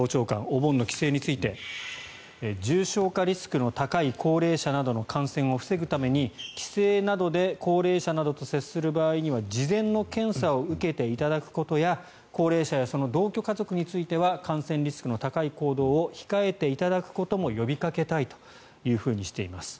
お盆の帰省について重症化リスクの高い高齢者などの感染を防ぐために帰省などで高齢者などと接する場合には事前の検査を受けていただくことや高齢者やその同居家族については感染リスクの高い行動を控えていただくことも呼びかけたいとしています。